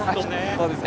そうですね。